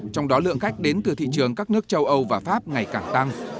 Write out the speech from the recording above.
trong đó lượng khách đến từ thị trường các nước châu âu và pháp ngày càng tăng